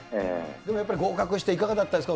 でもやっぱり合格してみていかがでしたか？